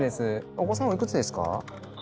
お子さんおいくつですか？